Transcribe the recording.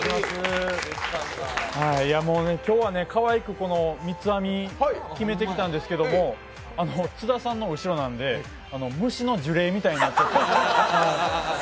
今日はかわいく三つ編み決めてきたんですけど、津田さんの後ろなんで虫の呪霊みたいになっちゃって。